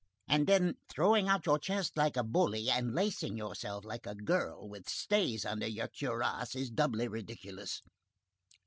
And then, throwing out your chest like a bully and lacing yourself like a girl, with stays under your cuirass, is doubly ridiculous.